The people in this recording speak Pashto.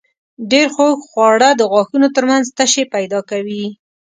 ډېر خوږ خواړه د غاښونو تر منځ تشې پیدا کوي.